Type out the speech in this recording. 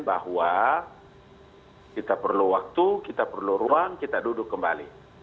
bahwa kita perlu waktu kita perlu ruang kita duduk kembali